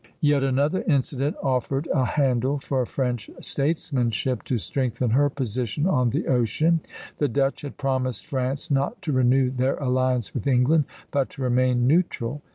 Yet another incident offered a handle for French statesmanship to strengthen her position on the ocean. The Dutch had promised France not to renew their alliance with England, but to remain neutral.